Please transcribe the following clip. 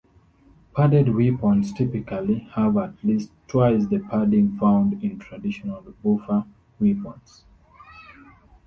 Padded weapons typically have at least twice the padding found in traditional boffer weapons.